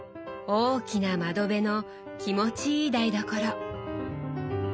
大きな窓辺の気持ちいい台所。